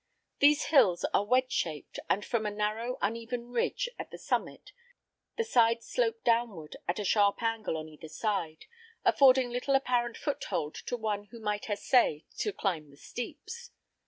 These hills are wedge shaped, and from a narrow, uneven ridge at the summit the sides slope downward at a sharp angle on either side, affording little apparent foothold to one who might essay to climb the steeps.